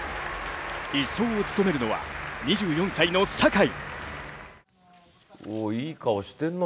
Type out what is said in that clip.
１走を務めるのは２４歳の坂井。